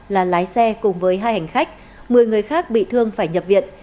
là lái xe cùng với hai hành khách một mươi người khác bị thương phải nhập viện